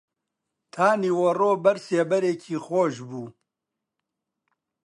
تا نیوەڕۆ بەر سێبەرێکی خۆش بوو